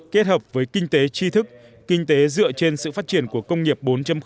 kết hợp với kinh tế tri thức kinh tế dựa trên sự phát triển của công nghiệp bốn